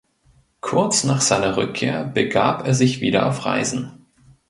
Kurz nach seiner Rückkehr begab er sich wieder auf Reisen.